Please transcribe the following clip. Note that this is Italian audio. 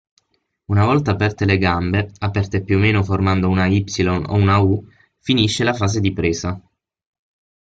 Una volta aperte le gambe aperte più o meno formando una "Y" o una "U", finisce la fase di presa.